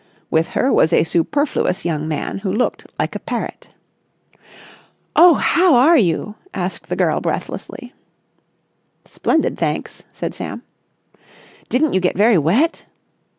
With her was a superfluous young man who looked like a parrot. "Oh, how are you?" asked the girl breathlessly. "Splendid, thanks," said Sam. "Didn't you get very wet?"